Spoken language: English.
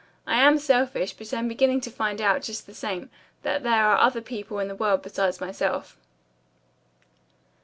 I am selfish, but I'm beginning to find out, just the same, that there are other people in the world besides myself."